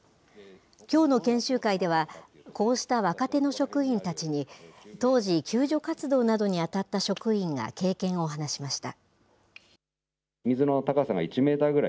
きょうの研修会では、こうした若手の職員たちに、当時、救助活動などに当たった職員が経験を話しました。